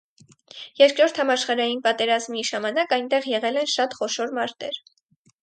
Երկրորդ համաշխարհային պատերազմի ժամանակ այնտեղ եղել են շատ խոշոր մարտեր։